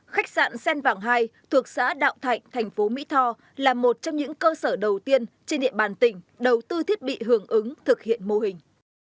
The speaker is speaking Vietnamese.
khách sạn sen vàng hai thuộc xã đạo thạnh thành phố mỹ tho là một trong những cơ sở đầu tiên trên địa bàn tỉnh đầu tư thiết bị hưởng ứng thực hiện mô hình